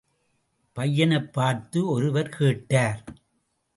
பையனைப் பார்த்து ஒருவர் கேட்டார்!